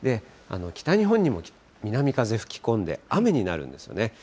北日本にも南風吹き込んで、雨になるんですよね。